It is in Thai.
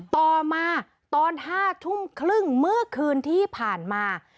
ต่อมาตอน๕ทุ่มครึ่งเมื่อคืนที่ผ่านมา